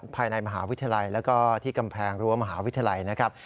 ภายในมหาวิทยาลัยแล้วก็ที่กำแพงรั้วมหาวิทยาลัยนะครับ